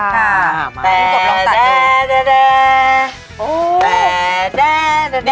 มาพี่กบลองตัดดู